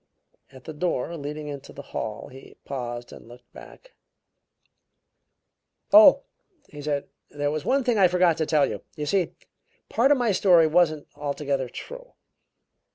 At the door leading into the hall he paused and looked back "Oh," he said, "there was one thing I forgot to tell you! You see, part of my story wasn't altogether true.